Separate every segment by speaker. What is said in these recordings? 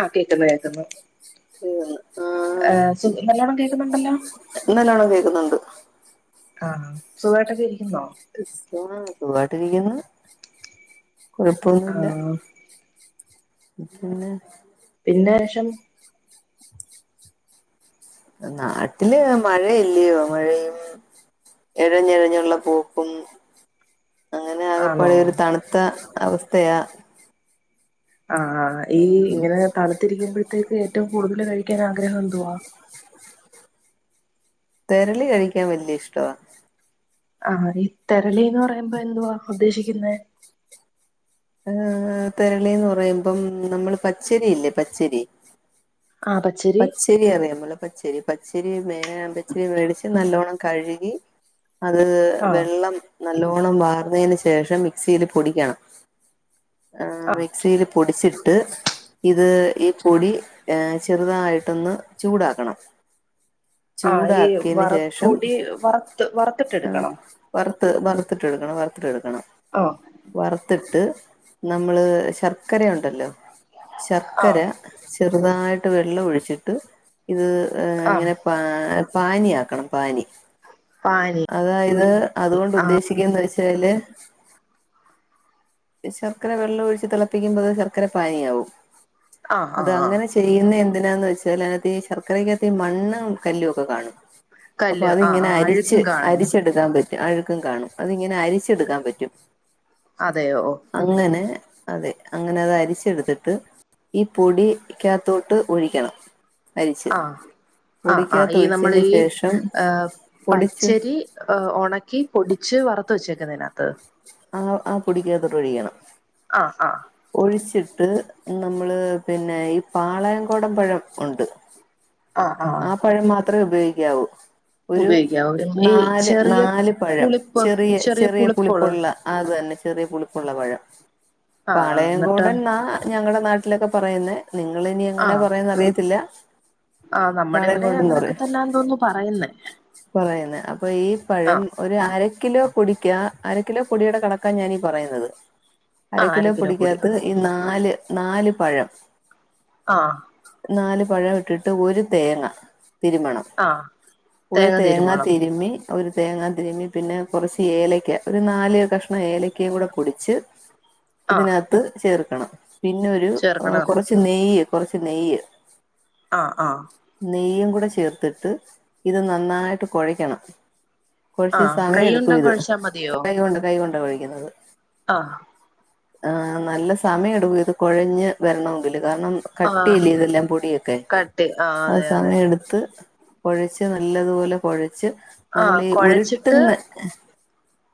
Speaker 1: ആ കേക്കുന്നു കേക്കുന്നു ഏ
Speaker 2: ആഹ്
Speaker 1: സുഖി നല്ലോണ്ണം കേക്കുന്നുണ്ടല്ലോ
Speaker 2: നല്ലോണം കേക്കുന്നുണ്ട്
Speaker 1: ആ സുവായിട്ടൊക്കെ ഇരിക്കുന്നോ
Speaker 2: ആ സുവായിട്ടിരിക്ക്ന്ന് കൊഴപ്പൊന്നുയില്ല
Speaker 1: ആഹ്
Speaker 2: പിന്നെ
Speaker 1: എന്നാ വേഷം
Speaker 2: നാട്ടില് മഴ ഇല്ലയോ മഴയും എഴഞ്ഞഴഞ്ഞുള്ള പോക്കും അങ്ങനെ
Speaker 1: ആണോ
Speaker 2: ആകപ്പാടെ ഈ ഒരു തണുത്ത അവസ്ഥയാ
Speaker 1: ആ ഈ
Speaker 2: ഉം
Speaker 1: ഇങ്ങനെ തണുത്തിരിക്കുമ്പോഴത്തേക്ക് ഏറ്റവും കൂടുതൽ കഴിക്കാൻ ആഗ്രഹം എന്തുവാ
Speaker 2: തെരളി കഴിക്കാൻ വല്യ ഇഷ്ടവാ
Speaker 1: ആ അ തെരളി എന്ന് പറയുമ്പോ എന്തുവാ ഉദ്ദേശിക്ക- ിക്കുന്ന
Speaker 2: ആ തരളിന്ന് പറയുമ്പം നമ്മള് പച്ചരിയില്ലേ പച്ചരി പച്ചരി അറിയാമോ പച്ചരി പച്ചരി വേടിച്ച് നല്ലോണം കഴുകി അത
Speaker 1: ആഹ്
Speaker 2: വെള്ളം നല്ലോണം വാർന്നതിന് ശേഷം മിക്സിയിൽ പൊടിക്കണം ആ
Speaker 1: ആഹ്
Speaker 2: മൈക്സിലി പൊടിച്ചി ട്ട് ഇത് ഇ പൊടി ഏ ചെറുതായിട്ട് ന്ന് ചുടാക്കണം
Speaker 1: ആ യി പൊടി വർത് വറത്തിട്ട് എടുക്കണം
Speaker 2: ത് വാർത്തട് എടുക്കണം വർത്തിട്ട് ഇടുക്കണം
Speaker 1: ആഹ്
Speaker 2: മ് വറുത്തിട്ട് നമ്മള് ശർക്കരയുണ്ടല്ലോ ശർക്കര
Speaker 1: ആഹ്
Speaker 2: ചേർ രുതായിട്ട് വെള്ളമോഴിച്ചിട്ട് ഇത്
Speaker 1: ആഹ്
Speaker 2: ഇങ്ങനെ പാ പാനി ആക്കണം പാനി
Speaker 1: പാനി
Speaker 2: അതായത് അതുകൊണ്ട് ദ്ദേശിക്കുന്നത് തില് ശർക്കര വെള്ളയിച്ചു തിളപ്പിക്കുമ്പോ ശർക്കരപ്പാനി ആവും
Speaker 1: ആ ആ ആ
Speaker 2: എന്തിനാന്ന് വെച്ചാഅതിനകത്തുശർക്കരക്കകത്തു മണ്ണും കല്ലുവോക്കെ കാണും അപ്പ
Speaker 1: കല്ല് ആഹ്
Speaker 2: ഇങ്ങനെ
Speaker 1: ആഹ്
Speaker 2: അരിച്ച്
Speaker 1: അഴുക്കും കാണും
Speaker 2: അരിച്ചെടുക്കാൻ പറ്റു ആഴുകും കാണും അതിങ്ങനെ അരിച്ചെടുക്കാൻ പറ്റും
Speaker 1: അതെയോ
Speaker 2: അങ്ങനെ അതെ അങ്ങനെഅരിച്ചെടുത്തട്ട് ഈ പൊടികാക്കത്തോട്ട് കാത്തോട്ട് ഒഴിക്കണം അരിച്ച്
Speaker 1: ആ ആ
Speaker 2: പൊടിക്കകത്ത്
Speaker 1: ഇ
Speaker 2: ഒഴിച്ചതിന്
Speaker 1: നമ്മള്ഇ
Speaker 2: ശേഷം പൊടിച്ച്
Speaker 1: പച്ചരി ഉണക്കി പൊടിച്ച് വറു റുത് വച്ചേക്കണത്
Speaker 2: ആ ആ പൊടിയാതൊട്ട് ഒഴിക്കണം
Speaker 1: ആ ആ
Speaker 2: ഒഴിച്ചിട്ട് നമ്മൾ പിന്നെ പാളയംകോടൻ പഴം ഉണ്ട്.
Speaker 1: ആ ആ.
Speaker 2: ത്രെപയോഗിക്കാവൂ. ഒരു
Speaker 1: ഈ
Speaker 2: നാല്
Speaker 1: ചെറിയ
Speaker 2: നാല് പഴം.
Speaker 1: പുളിപ്പ്
Speaker 2: ചെറിയ ചെറിയ
Speaker 1: പുളിപ്പുള്
Speaker 2: പുളിപ്പുള്ളഅതന്നെ ചെറിയപുളിപുള്ള പഴം
Speaker 1: ആഹ് ആഹ് എന്നിട്ട്
Speaker 2: പാലെയൻകുടന്ന ഞങ്ങടെ നാ വീട്ടിലൊക്കെ പറയുന്ന നിങ്ങളിനി എങ്ങനെ
Speaker 1: ആഹ്
Speaker 2: പറയന്ന അറിയത്തില്ല
Speaker 1: ആഹ് നമ്മുടെ ഇവിടെ അങ്ങനെയൊക്കെ
Speaker 2: പാളയംകോടന്നറയും,
Speaker 1: തന്നാന്ന് തോന്നുന്നു പറയുന്നേ
Speaker 2: പറയുന്നേ അപ്പൊ ഈ പഴം
Speaker 1: ആഹ്
Speaker 2: ഒരു അര കിലോ പൊടിക്കാ, അര കിലോ പൊടിയുടെ കടക്കാൻ ഞാനീ പറയുന്നത്. അര കിലോ പൊടിക്കാത് ഈ നാല് നാല് പഴം
Speaker 1: ആഹ
Speaker 2: പഴമിട്ടിട്ട് ഒരു [unintelligible] തേങ്ങ തിരുമണം
Speaker 1: ആഹ്
Speaker 2: ഒരു തേങ്ങ തിരുമ്മി ഒരു തേങ്ങാ തിരുമ്മി പിന്നെ കുറച്ച് ഏലക്ക ഒരു നാല് കഷണം ഏലക്ക കൂടെ പൊടിച്ച്
Speaker 1: ആഹ്
Speaker 2: ഇതിനകത്ത് ചേർ [unintelligible] പിന്നെ ഒരു
Speaker 1: ചേർക്കണം
Speaker 2: കുറച്ച് നെയ്യ് കുറച്ച് നെയ്യ്
Speaker 1: ആഹ് ആഹ
Speaker 2: നെയ്യും കൂടെ ചേര്ത്തിട്ട് ഇത് നന്നായിട്ട് കുഴയ്ക്കണം. കുഴച്ചു
Speaker 1: ആഹ്
Speaker 2: സമയം
Speaker 1: കൈയുണ്ടം
Speaker 2: എടുക്കും ഇത്
Speaker 1: കൊഴച്ചാ മതിയോ
Speaker 2: കൈ കൊണ്ട് കൈ കൊണ്ട് കഴിക്കുന്നത്.
Speaker 1: ആഹ്
Speaker 2: ആ നല്ല സമയം എടുക്കൂ ഇത് കൊഴഞ്ഞ് വരണമെങ്കിൽ. കാരണം
Speaker 1: ആഹ്
Speaker 2: കട്ടില്ലേ ഇതെല്ലാം പൊടിയൊക്കെ.
Speaker 1: കട്ടി ആഹ്
Speaker 2: അത്
Speaker 1: അതെ അതെ
Speaker 2: സമയം എടുത്ത് കൊഴച്ച് നല്ലതുപോലെ കൊഴ
Speaker 1: ആഹ കുഴച്ചിട്ട്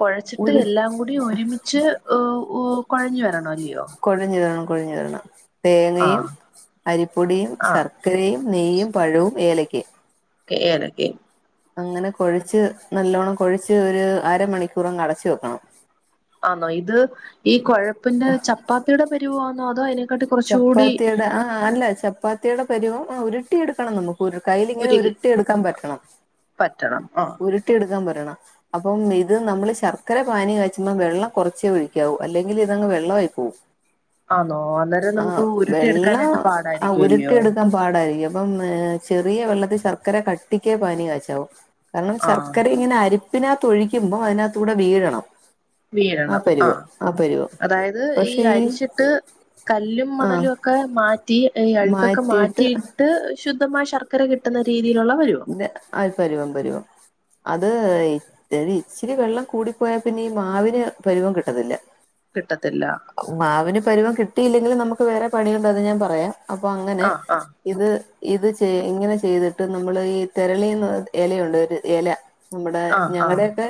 Speaker 1: കുഴച്ചിട്ട്
Speaker 2: ഉരു
Speaker 1: എല്ലാം കൂടി ഒരുമിച്ച് [unintelligible] കുഴഞ്ഞ് വരണോ അല്ലയോ
Speaker 2: [unintelligible] കുഴിഞ്ഞവരണം. തേങ്ങയും
Speaker 1: ആഹ്
Speaker 2: അരിപ്പൊടിയും
Speaker 1: ആഹ്
Speaker 2: ശർക്കരയും നെയ്യും പഴവും ഏലയ്ക്ക [unintelligible]
Speaker 1: ഏലക്കിം
Speaker 2: അങ്ങനെ കൊഴിച്ച് നല്ലോണ്ണം കൊഴിച്ച് ഒരു അരമണിക്കൂറും അടച്ച് വെക്കണം
Speaker 1: ആണോ ഇത് ഈ കുഴപ്പന്റെ ചപ്പാത്തിയുടെ പരുവ ആതോ അയ്നെ
Speaker 2: ചപ്പാത്തി ട ആഹ് അല്ല ചപ്പ ചപ്പാത്തിയുടെ പരിവം ആ ഉരുട്ടി എടുക്കണം നമുക്ക് ഒരു കയ്യിലിങ്ങനെ
Speaker 1: ഉരുകി
Speaker 2: ഉരുട്ടി എടുക്കാൻ പറ്റണം
Speaker 1: പറ്റണം ആഹ്
Speaker 2: ഉരുട്ടി എട് പറയണം അപ്പം ഇത് നമ്മള് ശർക്കര പാനീ കഴിചുമ്പോ വെള്ളം കുറച്ചേ ഒഴിക്കാവൂ അല്ലെങ്കിൽ ഇതങ്ങ് വെള്ളമായിപോവും
Speaker 1: ആന്നോ അന്നേരം
Speaker 2: ആ
Speaker 1: നമുക്ക് ഉരുട്ടി
Speaker 2: വെള്ളം
Speaker 1: എടുക്കാനായിട്ട്
Speaker 2: ആ
Speaker 1: പാടായിരിക്കും അല്ലയോ
Speaker 2: ഉരുട്ടിയ എടുക്കാൻ പാടായിരിക്കും അപ്പം ചെറിയ വെള്ളത്തിൽ ശർക്കര കട്ടിക്കേ പാനി കാച്ചാവു കാരണം
Speaker 1: ആഹ്
Speaker 2: ശർക്കര ഇങ്ങനെ അരി ഇതിനകത്ത് ഒഴിക്കുമ്പോ അതിനകത്ത കൂടെ വീഴണം
Speaker 1: വീഴണം ആ അതായത് ഈ അരിച്ചിട്ട് കല്ലും
Speaker 2: ആ
Speaker 1: മണലും ഒക്കെ മാറ്റി അഴുക്കൊക്കെ മാറ്റിയിട്ട് ശുദ്ധമായ ശർക്ക ചക്കര കിട്ടുന്ന രീതിയിലുള്ള പരുവം
Speaker 2: ആ പരുവം പരുവം അത് ഇത് ഇച്ചിരി വെള്ളം കൂടിപ്പോയാൽ പിന്നെ ഈ മാവിന് പരുവം കിട്ടത്തില്ല
Speaker 1: കിട്ടത്തില്ല
Speaker 2: മാവിന് പരുവം കി കിട്ടി ഇല്ലെങ്കിൽ നമുക്ക് വേറെ പണി ഉണ്ട് അത് ഞാൻപറയാം അപ്പൊ അങ്ങനെ
Speaker 1: ആഹ് ആഹ്
Speaker 2: ഇത് ഇത് ചെ ഇങ്ങനെ ചെയ്തിട്ട് നമ്മള് ഈ തെരളിന്ന് ഇലയുണ്ട് ഒരു എല നമ്മുടെ
Speaker 1: ആഹ്
Speaker 2: ഞങ്ങളുടെ
Speaker 1: ആഹ്
Speaker 2: ഒക്കെ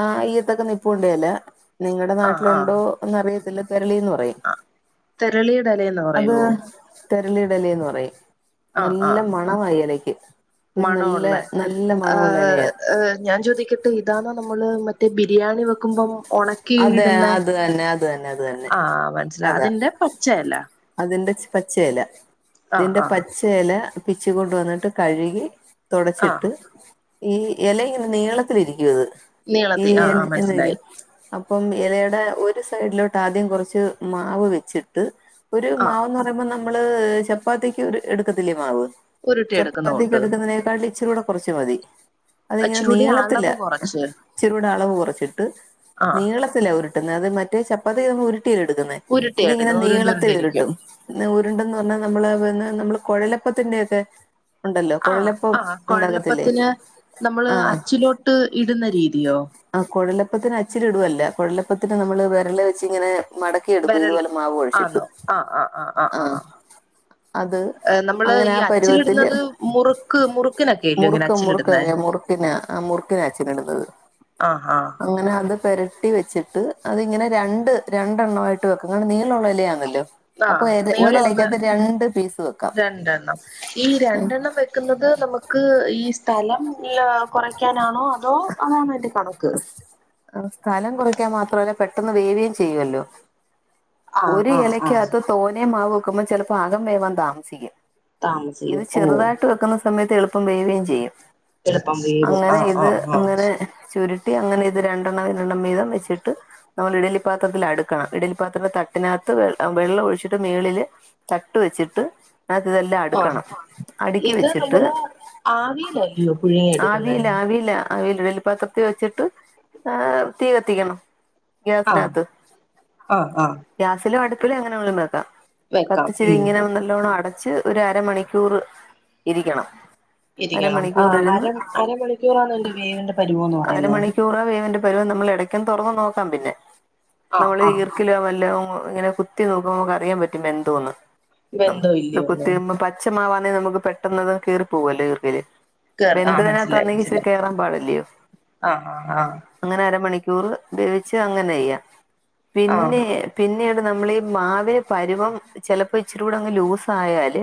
Speaker 2: ആഹ് ഇയത്തൊക്കെ നിപ്പൂണ്ടേ ഇല നിങ്ങളുടെ നാട്ടിലുണ്ടോ എന്ന റിയത്തില്ല
Speaker 1: ആ തെരളിയുടെലയന്ന് പറയോ
Speaker 2: തെരളിടലി എന്ന് പറയും
Speaker 1: ആ ആ
Speaker 2: നല്ല മണവാ ഈ ഇലയ്ക്ക് ഒരു
Speaker 1: മണം
Speaker 2: നല്ല
Speaker 1: ഉള്ളേ
Speaker 2: നല്ല
Speaker 1: ആ
Speaker 2: മണമുള്ള ഇലയാ
Speaker 1: ഏ ഞാൻ ചോദിക്കട്ടെ ഇതാണ് നമ്മള് മറ്റ മറ്റേ ബിരിയാണി വെക്കുമ്പം ഒണക്കി
Speaker 2: അതെ
Speaker 1: ഇടുന്നെ
Speaker 2: അത് തന്നെ അത് തന്നെ അത് തന്നെ
Speaker 1: ആഹ് മനസ്സിലായി
Speaker 2: അതാ
Speaker 1: അതിന്റെ പച്ചയല്ല
Speaker 2: അതിന്റെ പച്ചേല
Speaker 1: ആഹ്
Speaker 2: ഇതിന്റെ
Speaker 1: ആഹ്
Speaker 2: പച്ച എല പിച്ചി കൊണ്ട് വന്നിട്ട് കഴുകി
Speaker 1: ആഹ്
Speaker 2: തുടച്ചിട്ട് ഈ ഇല ഇങ്ങനെ നീളത്തിലിരിക്കണത്
Speaker 1: നീളത്തി ആഹ് ആഹ് മനസ്സിലായി
Speaker 2: [unintelligible] അപ്പം ഇലയുടെ ഒരു സൈഡിലോട്ട് ആദ്യം കുറച്ച് മാവ് വെച്ചിട്ട് ഒരു
Speaker 1: ആഹ്
Speaker 2: മാവന്ന് പറയുമ്പോ നമ്മള് ചപ്പാത്തിക്ക് എടുക്കത്തില്ല മാവ്
Speaker 1: ഉരുട്ടി എടുക്കുന്ന കൂട്ട്
Speaker 2: ചപ്പാത്തിക്കെടുക്കുന്നതിനെക്കട്ടി ച്ചിരുടെ കുറച്ചു മതി അതിങ്ങനെ
Speaker 1: ഇച്ചിരൂടി
Speaker 2: നീളത്തില്
Speaker 1: അളവ് കൊറച്ച്
Speaker 2: ഇച്ചിരുടെ അളവ് കുറച്ചിട്ട്
Speaker 1: ആഹ്
Speaker 2: നീളത്തില് ഒരു [unintelligible] മറ്റേ ചപ്പത്തി ഉരു- [unintelligible] എടുക്കുന്നെ ഇതിങ്ങനെ
Speaker 1: ഉരുട്ടിയെടുക്കണം ഉരുണ്ട്
Speaker 2: നീളത്തിൽ
Speaker 1: ഉരുണ്ടിരിക്കും
Speaker 2: ഉരുട്ടും ഉരുണ്ടന്ന് പറഞ്ഞ നമ്മള് പിന്നെ നമ്മള് കുഴലപ്പതിൻ്റെയൊക്കെ
Speaker 1: ആഹ് ആഹ് കൊഴലപ്പത്തിന് നമ്മള്
Speaker 2: ആ
Speaker 1: അച്ചിലോട്ട് ഇടുന്ന രീതി
Speaker 2: ആ കൊഴല- പ്പത്തിന് അച്ചിൽ ഇടുവല്ല കൊഴലപത്തിന് നമ്മള് വിരളു വെച്ച് ഇങ്ങനെ മടക്കിയെടുക്കും
Speaker 1: വെരൽ
Speaker 2: ഇതുപോലെ മാവ് കുഴച്ചിട്ട് ആഹ് അത്
Speaker 1: നമ്മള്
Speaker 2: അങ്ങനെ
Speaker 1: ഈ
Speaker 2: ആ പരുവത്തില്
Speaker 1: അച്ചിലിടുന്നത് മുറുക്ക് മുറുക്കിനൊക്കെയല്ലോ ഇങ്ങനെ അച്ചിലിടുന്നേ
Speaker 2: മുറുക്ക്മുറുക്കില്ലെ മുറുക്കിന മുറുക്കിന അച്ചിൽ ഇടുത്തത്
Speaker 1: ആഹ് ആഹ്
Speaker 2: പരട്ടി വെച്ചിട്ട് അതിങ്ങനെ രണ്ട് രണ്ടെണ്ണവായിട്ട് വെക്കും ഇങ്ങനെ നീ [unintelligible]
Speaker 1: ആഹ് നീളമുള്ള
Speaker 2: ഒരിലയ്ക്കകത്ത് രണ്ട് പീസ് വെക്കാം
Speaker 1: രണ്ടെണ്ണം ഈ രണ്ടെണ്ണം വെക്കുന്നത് നമുക്ക് ക്ക് ഈ സ്ഥലം കുറക്കാൻ നണോ അതോ അതാണൊ അതിൻ്റെ കണക്ക്
Speaker 2: സ്ഥലം കുറയ്ക്കാൻ മാത്രവല്ല പെട്ടെന്ന് വേവയും ചെയ്യുമല്ലോ
Speaker 1: ആഹ്
Speaker 2: ഒരു
Speaker 1: ആഹ് ആഹ്
Speaker 2: ഇലക്കകത്ത് തോനെ മാവ് ആക്കുമ്പം ചിലപ്പോ അകം വേവൻ താമസിക്കും ഇത്
Speaker 1: താമസിക്കും ഓ
Speaker 2: ചെറുതായിട്ട് വെക്ക സമയത്ത് എളുപ്പം വേവുവേം ചെയ്യും
Speaker 1: എളുപ്പം വേവും
Speaker 2: അങ്ങനെ
Speaker 1: ആഹ്
Speaker 2: ഇത്
Speaker 1: ആഹ് ആഹ്
Speaker 2: അങ്ങനെ ചുരുട്ടി അങ്ങനെ ഇത് രണ്ട് രണ്ടെണ്ണം രണ്ടെണ്ണം വീതം വെച്ചിട്ട് നമ്മൾ ഇഡ്ഡലിപാത്രത്തിൽ അടുക്കണം ഇഡ്ഡലിപത്ര- അതിനകത്ത് വെ വെള്ളം ഒഴിച്ചിട്ട് മേളില് തട്ട് വെച്ചിട്ട് ഇതെല്ലാം
Speaker 1: ആഹ്
Speaker 2: അടുക്കണം അടുക്കി
Speaker 1: ഇത്
Speaker 2: വെച്ചിട്ട്
Speaker 1: നമ്മള് ആവിയിലല്ലയോ പുഴുങ്ങി എടുക്കുന്ന
Speaker 2: ആ വെല്ലു വെല്ലുപാത്രത്തിൽ വെച്ചിട്ട് ആ തീ കത്തിക്കണം
Speaker 1: ആഹ്
Speaker 2: ഗ്യാസിനകത്ത്
Speaker 1: ആഹ് ആഹ്
Speaker 2: സിലും അടുപ്പിലും എങ്ങനെ [unintelligible] വെക്കാ
Speaker 1: വെക്കാം
Speaker 2: കത്തിച്ചത്
Speaker 1: ഉം
Speaker 2: ഇങ്ങനെ നല്ലോണം അട ച്ച് ഒര് അരമണിക്കൂർ ഇരിക്കണം
Speaker 1: ഇരിക്കണം ആ
Speaker 2: അരമണിക്കൂർ
Speaker 1: അര
Speaker 2: ഇരുന്ന്
Speaker 1: അരമണിക്കൂറാണൊ ഈൻ്റെ വേവിന്റെ പരിവോന്ന് പറയ്ന്നേ
Speaker 2: എടക്കൊന്ന് തൊറന്ന് നോക്കാം പിന്നെ
Speaker 1: ആഹ്
Speaker 2: നമ്മള്
Speaker 1: ആഹ്
Speaker 2: ഈർക്കിലോ വ ല്ലൊ ഉം ഇങ്ങനെ കുത്തി നോക്കുമ്പൊ നമ്മക്കറിയാൻ പറ്റും വെന്തോന്ന് നമ്മള്
Speaker 1: വെന്തോ
Speaker 2: ഇത്
Speaker 1: ഇല്ലയോന്ന്
Speaker 2: കുത്തി [unintelligible] പച്ചമാവാ ന്നെ നമുക്ക് പെട്ടന്നത് കീറി പോവല്ലെ ഈർക്കിലി
Speaker 1: കേർ ആ
Speaker 2: വെന്തതിനാത്ത്
Speaker 1: മനസ്സിലായി
Speaker 2: [unintelligible]
Speaker 1: മനസ്സിലായി
Speaker 2: കേറാൻ പാടില്ലയോ
Speaker 1: ആഹ് ആഹ്
Speaker 2: അങ്ങനെ അരമണി ടൂറ് ദേവിച്ചേ അങ്ങനെയ്യ
Speaker 1: ആഹ്
Speaker 2: പിന്നെ
Speaker 1: ആഹ്
Speaker 2: പിന്നീട് നമ്മളി ഈ മാവെ പരുവം ചെലപ്പ ഇച്ചിരൂടങ്ങ് ലൂസായാല്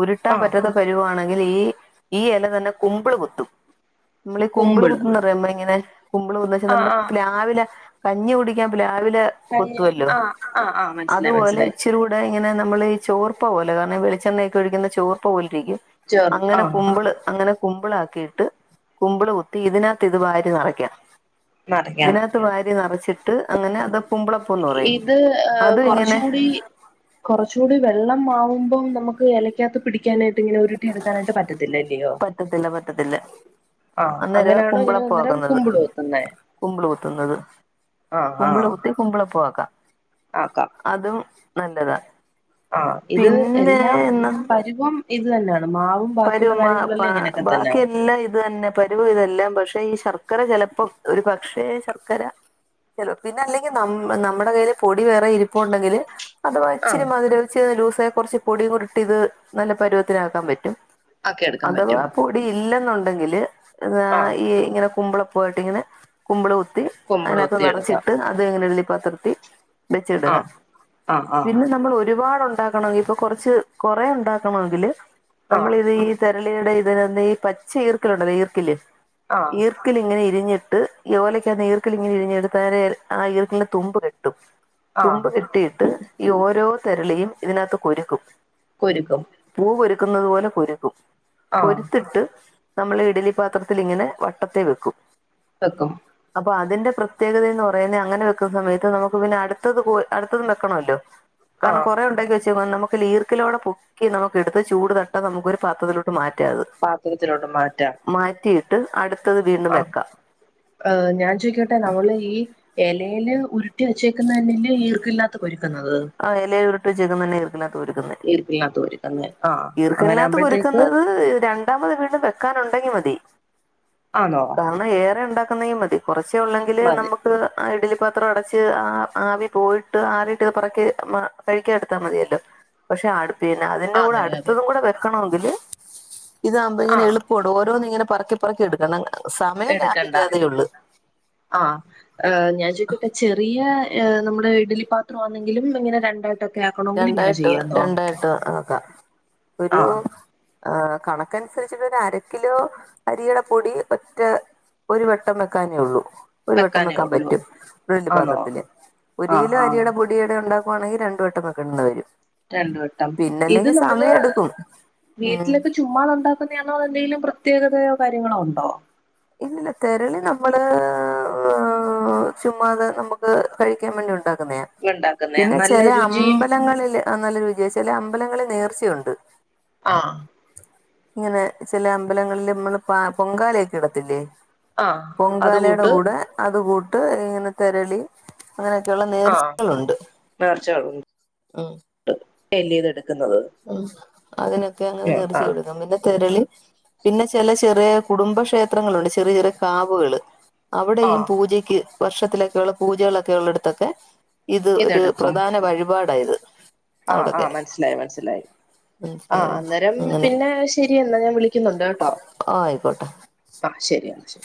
Speaker 2: ഉരുട്ടാൻ
Speaker 1: ആഹ്
Speaker 2: പറ്റാത്ത പരുവാണ് ഈ ഈ എല തന്നെ കുമ്പ്ള് കുത്തും മ്മളി കുമ്പ്ള്
Speaker 1: കുമ്പിള്
Speaker 2: കുത്തുന്നറിയമൊ നമ്മളിങ്ങനെ കുമ്പ്ള് കുത്തച്ച്ന്നാല്
Speaker 1: ആഹ്
Speaker 2: നമ്മുടെ
Speaker 1: ആഹ്
Speaker 2: പ്ലാവില കഞ്ഞി കുടിക്കാൻ പ്ലാവില ല
Speaker 1: കഞ്ഞി
Speaker 2: കൊത്തുവല്ലോ
Speaker 1: ആഹ് ആഹ് ആഹ് മനസ്സിലായി
Speaker 2: അതുപോലെ
Speaker 1: മനസ്സിലായി
Speaker 2: ഇച്ചിരൂടെ ഇങ്ങനെ നമ്മള് ചോർപ്പ പോലെ കാരണം വെളിച്ചെണ്ണ ഒക്ക ഒഴിക്കുന്ന ചോർപ്പ പോൽ രിക്കും
Speaker 1: ചെറു
Speaker 2: അങ്ങനെ
Speaker 1: ആഹ്
Speaker 2: കുമ്പള് അങ്ങനെ കുമ്പ്ളാക്കിയിട്ട് കുമ്പ്ള് കുത്തി ഇതിനകത്ത് ഇത് വാരി നെറയ്ക്കാം
Speaker 1: നാരങ്ങ
Speaker 2: ഇതിനകത്ത് വാര് ത്തി നെറചിട്ട് അങ്ങനെ അത് കുമ്പിളപ്പോം ന്ന് പറയും
Speaker 1: ഏഹ്
Speaker 2: അതും ഇങ്ങനെ
Speaker 1: കൊറച്ചൂടി കൊറച്ചൂടി വെള്ളം ആവുമ്പോം നമുക്ക് എലയ്ക്കകത്ത് പിടിക്കാനായി് ട്ട് ഇങ്ങനെ ഉരുട്ടി എടുക്കാനായിട്ട് പറ്റത്തില്ലല്ലെ
Speaker 2: പറ്റത്തില്ല പറ്റത്തില്ല
Speaker 1: ആഹ്
Speaker 2: അന്നേരാ
Speaker 1: അങ്ങനെയാണോ ഇങ്ങനെ
Speaker 2: കുമ്പളപ്പ
Speaker 1: അന്നേരം
Speaker 2: ആക്കുന്നത്
Speaker 1: കുമ്പിള് കുത്തുന്നേ
Speaker 2: കുമ്പിൾ കുത്തുന്നത്
Speaker 1: ആഹ്
Speaker 2: കുമ്പിള്
Speaker 1: ആഹ്
Speaker 2: കുത്തി കുമ്പള പ്പോ ആക്കാം അതും നല്ലതാണ്
Speaker 1: ആ ഇത് എല്ലാം പരുവം ഇത് തന്നെയാണ് മാവും ബാക്കിയുള്ള
Speaker 2: പരുവമ പ
Speaker 1: കാര്യങ്ങളെല്ലാം ഇങ്ങനെയൊക്കെ തന്നെയാണ്
Speaker 2: ബാക്കിയെല്ലാം ഇത് തന്നെ പരുവ ഇതെല്ലാം പക്ഷെ ഈ ശർക് ശർക്കര ചിലപ്പോ ഒരു പക്ഷേ ശർക്കര ച പിന്നെ അല്ലെങ്കിൽ ന നമ്മുടെ കയ്ൽ പൊടി വേറെ ഇരിപ്പ ഉണ്ടെങ്കിൽ അത്
Speaker 1: ആഹ്
Speaker 2: വച്ചിും മധുരവിൂ കുറച്ച് പൊടിയ കുറിട്ട് ഇത് നല്ല പരുവത്തിനാക്കാൻ പറ്റും
Speaker 1: ആക്കി എടുക്കാൻ
Speaker 2: അഥവാ
Speaker 1: പറ്റും
Speaker 2: പൊടി ഇല്ലെന്നുണ്ട് ഉണ്ടെങ്കില്ിൽ എാ
Speaker 1: ആഹ്
Speaker 2: ഈ ഇങ്ങനെ കുമ്പള പോയിട്ട് ഇങ്ങനെ കുമ്പളൾ
Speaker 1: കുമ്പിള്
Speaker 2: അതിനകത്ത്
Speaker 1: കുത്തി എടുക്കാം
Speaker 2: നിറച്ചിട്ട് അത്ങ്ങനെ ഉള്ള പത്തിർത്തി
Speaker 1: ആഹ്
Speaker 2: വെച്ചിടുക
Speaker 1: ആഹ് ആഹ്
Speaker 2: പിന്നെ നമ്മൾ ഒരു ഒരുപാട് ഉണ്ടാക്കണമെങ്കിൽ ഇപ്പൊ കൊറച്ച് കൊറെ ഉണ്ടാക്കണമെങ്കില്
Speaker 1: ആഹ്
Speaker 2: നമ്മളിത് ഈ കേരളിയുടെ ഇതിൽ നിന്ന് ഈ പച്ച ഈർക്കലുണ്ടല്ലോ ഈർക്കല്
Speaker 1: ആഹ്
Speaker 2: ഈർക്കൽ ഇങ്ങനെ ഇഴഞ്ഞിട്ട് ഈഓലയ്ക്ക് ഈർക്കലിങ്ങനെ ഇഴിഞ്ഞെടുത്ത് ആ ഈർക്കിന് തുമ്പ് കെട്ടും
Speaker 1: ആഹ്
Speaker 2: തുമ്പ് ഇട്ടിയിട്ട് ഈ ഓരോ തെരളിയും ഇതിനകത്ത് കുരുക്കും
Speaker 1: കുരുക്കും
Speaker 2: ുന്നത് പോലെ ക്കും
Speaker 1: ആഹ്
Speaker 2: ഒരുരുത്തിട്ട് നമ്മള് ഇഡലി പാത്രത്തിൽ ഇങ്ങനെ വട്ടത്തെ വെക്കും
Speaker 1: വെക്കോ
Speaker 2: അപ്പൊ അതിന്റെ പ്രത്യേകതയ എന്ന് പറയുന്നത് അങ്ങനെ വെക്കുന്ന സമയത്ത് നമുക്ക് പിന്നെ അടുത്തത് അടുത്തതും വെക്കണല്ലോ കാരണം
Speaker 1: ആഹ്
Speaker 2: കുറെേ ഉണ്ടാക്കി വെച്ച നമുക്ക് ലീർക്കിലൂടെ പൊക്കി നമുക്ക് എടുത്ത് ചൂട് തട്ട നമുൊ ഒരു പത്രത്തിലോട്ട മാറ്റ
Speaker 1: പാത്രത്തിലോട്ട്
Speaker 2: മാറ്റി ട്ട് അടുത്ത്
Speaker 1: ആ ഏ ഞാൻ ചോിക്കട്ടെ നമ്മള് ഈ ഇലയില് ഉരുട്ടി വച്ചേക്കുന്ന തന്നെല്ലേ ഈർക്കില്ലാത്ത ഒരുരുും
Speaker 2: ആ ഇല ഉരുട്ട്ച്ചക്കുന്ന തന്നെ ഈർക്കിനകത്ത് കുരുക്കുന്നെ
Speaker 1: ഈർക്കില്ലാത്ത കുരുക്കുന്നെ ആഹ് അങ്ങനെ
Speaker 2: ഈർക്കിനകത്ത്
Speaker 1: ആകുമ്പോഴത്തേക്ക്
Speaker 2: കുരുക്കുന്നത് രണ്ടാമത് വീണ്ടും ക്കാനുണ്ടെങ്കി മതി
Speaker 1: ആന്നോ
Speaker 2: കാരണം ഏറെ ഉണ്ടാക് [unintelligible] കൊറച്ചേ ഒള്ളെങ്കില്
Speaker 1: മതി
Speaker 2: നമ്മക്ക് ആ ഇഡ്ല് പാത്രം അടച്ച് ആ ആവി പോയിട്ട് ആറീട്ട് പ ക്ക് മ്മ കഴിക്കാൻ എടുത്താ മതിയല്ലോ പക്ഷെ അ പിന്നെ അതിൻ്റെ കൂടെ
Speaker 1: ആന്നെ അതെ
Speaker 2: അടുത്തതും കൂടെ വെക്കണോന്ന എന്ത് ഇതാവുമ്പോ ഇങ്ങനെ
Speaker 1: ആഹ്
Speaker 2: എളുപ്പോണ്ട് ഓരോന്നിങ്ങനെ പറക്കി പറക്കി എടുക്കണം സമയം
Speaker 1: എടുക്കണ്ട
Speaker 2: ലാഭിക്കാതേ ഉള്ളു
Speaker 1: ആ ഞാൻ ചോയ്ക്കട്ടെ ചെറിയ നമ്മുടെ ഇഡ്ഡ്ലി പാത്രാന്നെങ്കിലും ഇങ്ങനെ രണ്ടട്ടൊ
Speaker 2: രണ്ടായിട്ട് രണ്ടായിട്ട് ആക്കാ ഒരു
Speaker 1: ആഹ്
Speaker 2: ആ കണക്കനുസരിച്ചിട്ട് ഒരു അര കിലൊ അരിയുടെ പൊടി ഒറ്റ ഒരുവട്ടം വക്കാനേയൊള്ളൂ ഒരു വട്ടം
Speaker 1: വെക്കാനേ
Speaker 2: വെക്കാൻ
Speaker 1: ഉള്ളൂ
Speaker 2: പറ്റും ഒരു വൽയ
Speaker 1: ആന്നോ
Speaker 2: പാത്രത്തില്
Speaker 1: ആഹ്
Speaker 2: ഒരുകിലോ
Speaker 1: ആഹ്
Speaker 2: അരിയുടെ പൊടിയുടെ ഉണ്ടാ വാണെങ്കി രണ്ടുവട്ടം വ കണ്ടകര്യം
Speaker 1: രണ്ടുവട്ടം ഇത് നമ്മള്
Speaker 2: എടുക്കും ഉം
Speaker 1: വീട്ടിലൊക്കെ ചുമ്മാതുണ്ടാക്കുന്നേയാണോ അതെ എന്തെങ്കിലും പ്രത്യേകത തയോ കാര്യങ്ങളോ ഉണ്ടോ
Speaker 2: ഇന്നലെ തെരളി നമ്മള് ചുമ്മാതെ നമ്മക്ക് കഴിക്കാൻ വേണ്ടി ഉണ്ടാക് ന്നയാ
Speaker 1: ഉണ്ടാക്കുന്നേ
Speaker 2: പിന്നെ
Speaker 1: നല്ല
Speaker 2: ചെല
Speaker 1: രുചിയും
Speaker 2: അമ്പലങ്ങളില് നല്ല രുച ചെല അമ്പലങ്ങളിൽ നേർച്ചയുണ്ട്
Speaker 1: ആ
Speaker 2: ഇങ്ങനെ ചെല അമ്പലങ്ങളില്മ്മള് പ പൊങ്കാലക്കെ ഇടത്തില്ലേ
Speaker 1: ആഹ് അത്
Speaker 2: പൊങ്കാലടെ
Speaker 1: കൂട്ട്
Speaker 2: കൂടെ അതും കു ട്ട് ഇങ്ങനെ തെരളി അങ്ങനൊക്കെയുള്ള
Speaker 1: ആഹ്
Speaker 2: നേർച്ചകളുണ്ട്
Speaker 1: നേർച്ചകളുണ്ട്
Speaker 2: ഉം
Speaker 1: [unintelligible]
Speaker 2: അതിനൊക്കെ അങ്ങ്
Speaker 1: ഉം ആഹ്
Speaker 2: നേർച്ചയെടുക്കും പിന്നെ തെരളി പിന്നെ ചെല ചെറിയ കുടുംബക്ഷേത്രങ്ങളുണ്ട് ചെറിയ ചെറിയ കാവുകള് അവിടെയും
Speaker 1: ആഹ്
Speaker 2: പൂജയ്ക്ക് വർഷത്തിലൊക്കെയുള്ള പൂജകള് ഒക്കെ ഉള്ളടോത്തൊക്കെ ഇത് ഒരു പ്രധാന വഴിപാട് ടാ ഇത്
Speaker 1: ആ ആ
Speaker 2: അവിടൊക്കെ
Speaker 1: മനസ്സിലായി മനസ്സിലായി ആ
Speaker 2: മനസ്സിലായോ
Speaker 1: അന്നേരം
Speaker 2: അങ്ങനെ
Speaker 1: പിന്നെ ശരിയെന്നാ. ഞാൻ വിളിക്കുന്ന ട്ട
Speaker 2: ആയിക്കോട്ടെ
Speaker 1: ആ ശരിയ ശ